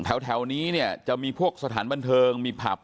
อายุ๑๐ปีนะฮะเขาบอกว่าเขาก็เห็นถูกยิงนะครับ